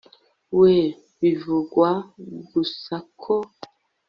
we bivugwa gusa ko